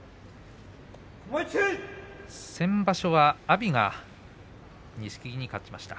先場所は阿炎が錦木に勝ちました。